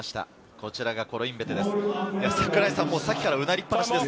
こちらがコロインベテです。